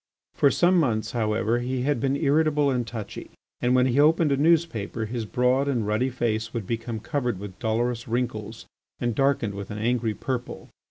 For some months, however, he had been irritable and touchy, and when he opened a newspaper his broad and ruddy face would become covered with dolorous wrinkles and darkened with an angry purple.